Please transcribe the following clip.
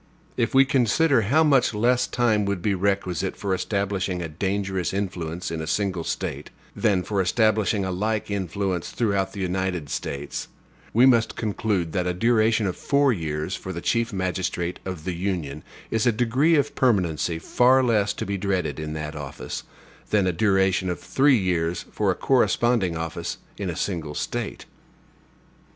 If we consider how much less time would be requisite for establishing a dangerous influence in a single State, than for establishing a like influence throughout the United States, we must conclude that a duration of four years for the Chief Magistrate of the Union is a degree of permanency far less to be dreaded in that office, than a duration of three years for a corresponding office in a single State.